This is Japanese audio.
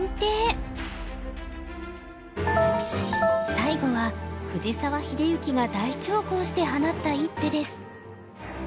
最後は藤沢秀行が大長考して放った一手です。